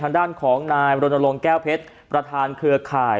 ทางด้านของนายบรณรงค์แก้วเพชรประธานเครือข่าย